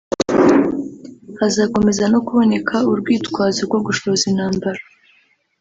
hazakomeza no kuboneka urwitwazo rwo gushoza intambara